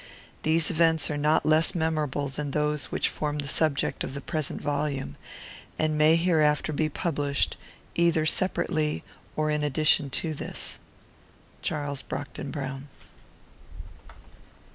These events are not less memorable than those which form the subject of the present volume, and may hereafter be published, either separately or in addition to this. C.B.B. ARTHUR MERVYN.